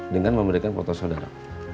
dengan memberikan foto saudara